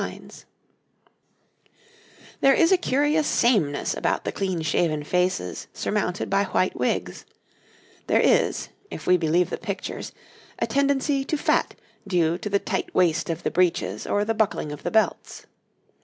] [Illustration: {A hat; coat tails; a wig}] There is a curious sameness about the clean shaven faces surmounted by white wigs; there is if we believe the pictures a tendency to fat due to the tight waist of the breeches or the buckling of the belts.